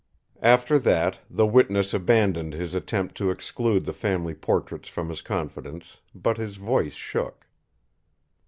After that, the witness abandoned his attempt to exclude the family portraits from his confidence, but his voice shook.